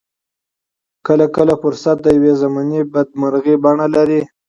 کله کله فرصت د يوې ضمني بدمرغۍ بڼه لري.